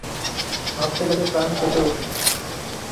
ভাবতে গেলে প্রাণ কেঁপে ওঠে।